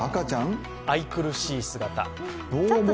愛くるしい姿。